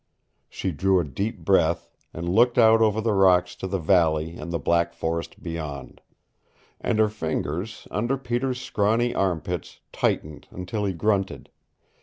She drew a deep breath, and looked out over the rocks to the valley and the black forest beyond. And her fingers, under Peter's scrawny armpits, tightened until he grunted.